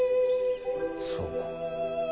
そうか。